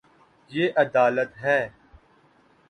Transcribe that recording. یے ادالت ہے